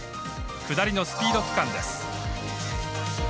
下りのスピード区間です。